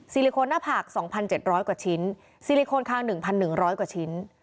ลิโคนหน้าผาก๒๗๐๐กว่าชิ้นซิลิโคนคาง๑๑๐๐กว่าชิ้น